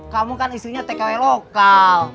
kamu kan istrinya tkw lokal